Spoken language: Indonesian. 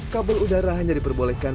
kabel udara hanya diperbolehkan